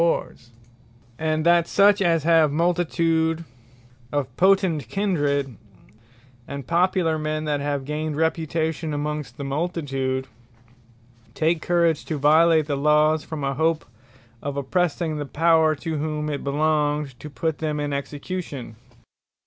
And Friends And that such as have multitude of Potent Kindred; and popular men, that have gained reputation amongst the Multitude, take courage to violate the Lawes, from a hope of oppressing the Power, to whom it belongeth to put them in execution.